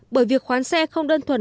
bởi việc khoán xe không đơn thuần